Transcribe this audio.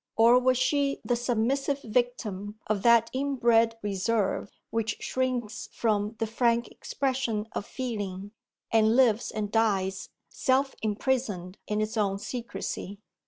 Or was she the submissive victim of that inbred reserve, which shrinks from the frank expression of feeling, and lives and dies self imprisoned in its own secrecy?